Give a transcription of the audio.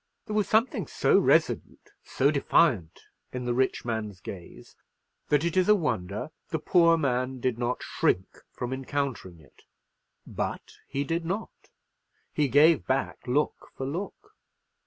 There was something so resolute, so defiant, in the rich man's gaze, that it is a wonder the poor man did not shrink from encountering it. But he did not: he gave back look for look.